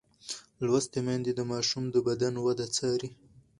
لوستې میندې د ماشوم د بدن د وده څاري.